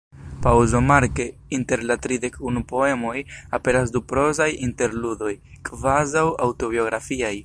Paŭzomarke, inter la tridek unu poemoj aperas du prozaj interludoj, kvazaŭ aŭtobiografiaj.